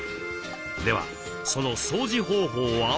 ではその掃除方法は？